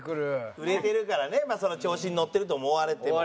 売れてるからね調子に乗ってると思われても。